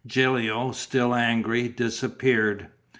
Gilio, still angry, disappeared.